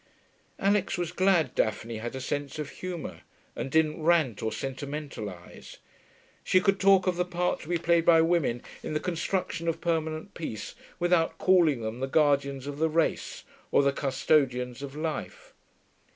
Alix was glad Daphne had a sense of humour, and didn't rant or sentimentalise. She could talk of the part to be played by women in the construction of permanent peace without calling them the guardians of the race or the custodians of life.